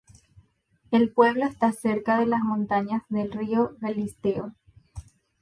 El pueblo está cerca de las montañas del río Galisteo.